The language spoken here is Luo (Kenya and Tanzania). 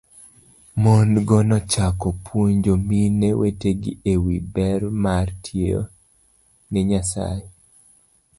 Mon go nochako puonjo mine wetegi e wi ber mar tiyo ne Nyasaye